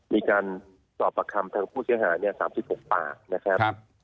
มีการสอบประคำทางผู้เสียหาย๓๖ปากนะครับ